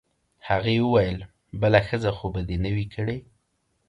هغې وویل: بله ښځه خو به دي نه وي کړې؟